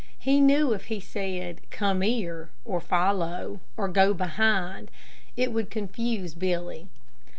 He knew if he said "Come here," or "Follow," or "Go behind," it would confuse Billy.